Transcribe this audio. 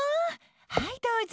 はい、どうぞ。